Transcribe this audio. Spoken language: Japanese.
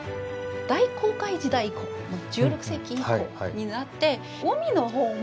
大航海時代以降１６世紀以降になって海のほうも。